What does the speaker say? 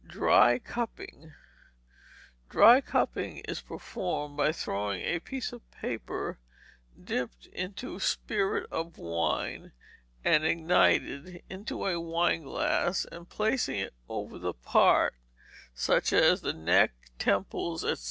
Dry Cupping Dry cupping is performed by throwing a piece of paper dipped into spirit of wine, and ignited, into a wineglass, and placing it over the part, such as the neck, temples, &c.